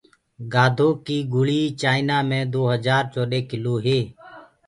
گآڌو ڪيٚ گُݪيٚ چآئنآ مي دو هجآر چوڏي ڪلو هي